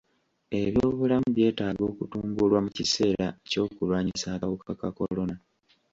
Eby'obulamu byetaaga okutumbulwa mu kiseera ky'okulwanyisa akawuka ka kolona.